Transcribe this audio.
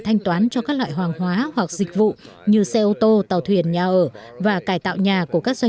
thu nhập các loại hoàng hóa hoặc dịch vụ như xe ô tô tàu thuyền nhà ở và cải tạo nhà của các doanh